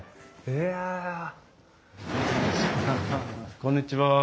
こんにちは。